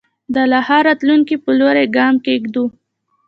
د لا ښه راتلونکي په لوري ګام کېږدو.